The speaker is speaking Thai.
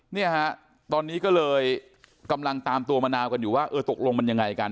เนี่ยฮะตอนนี้ก็เลยกำลังตามตัวมะนาวกันอยู่ว่าเออตกลงมันยังไงกัน